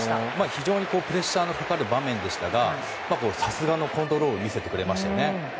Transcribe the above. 非常にプレッシャーのかかる場面でしたがさすがのコントロールを見せてくれましたよね。